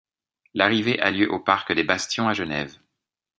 L'arrivée a lieu au parc des Bastions à Genève.